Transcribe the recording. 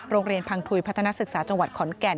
โรงเรียนพังทุยพัฒนาศึกษาจังหวัดขอนแก่น